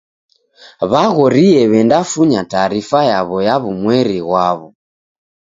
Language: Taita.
W'aghorie w'endafunya taarifa yaw'o ya w'umweri ghwaw'o.